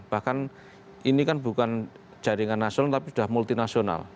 bahkan ini kan bukan jaringan nasional tapi sudah multinasional